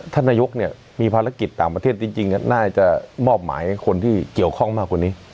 ท่านนายกเนี่ยมีภารกิจต่างประเทศจริงน่าจะมอบหมายให้คนที่เกี่ยวข้องมากกว่านี้